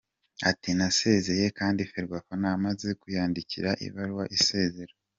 Ati “Nasezeye kandi Ferwafa namaze kuyandikira ibaruwa isezera.